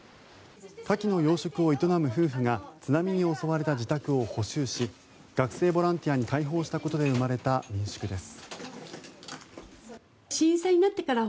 カキの養殖を営む夫婦が津波に襲われた自宅を補修し学生ボランティアに開放したことで生まれた民宿です。